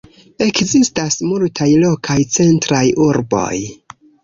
Ekzistas multaj lokaj centraj urboj.